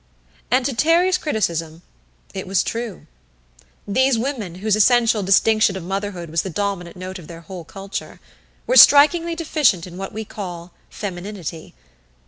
As to Terry's criticism, it was true. These women, whose essential distinction of motherhood was the dominant note of their whole culture, were strikingly deficient in what we call "femininity."